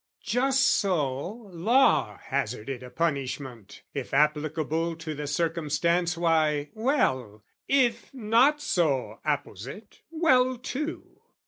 Just so, Law hazarded a punishment If applicable to the circumstance, Why, well if not so apposite, well too.